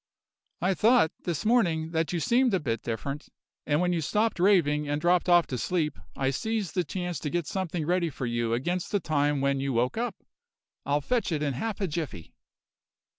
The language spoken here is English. I thought, this morning, that you seemed a bit different, and when you stopped raving and dropped off to sleep I seized the chance to get something ready for you against the time when you woke up. I'll fetch it in half a jiffy."